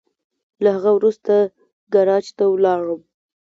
له هغه وروسته ګاراج ته ولاړم.